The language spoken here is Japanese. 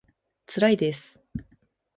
つらいです